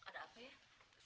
ada apa ya